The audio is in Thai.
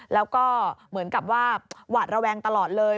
แล้วก็เหมือนกับว่าหวาดระแวงตลอดเลย